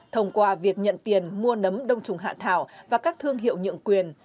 thông qua việc nhận tiền mua nấm đông trùng hạ thảo và các thương hiệu nhượng quyền